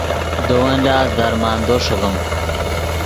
دے ون لاست درمندو ݰیغیم